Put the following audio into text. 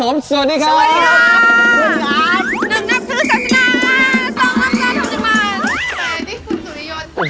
๑นับถือศาสนา๒นับเจ้าท่านจังหวาน